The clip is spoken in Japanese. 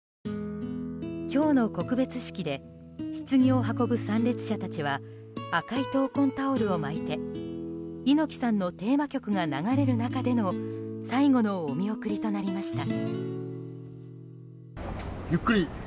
今日の告別式でひつぎを運ぶ参列者たちは赤い闘魂タオルを巻いて猪木さんのテーマ曲が流れる中での最後のお見送りとなりました。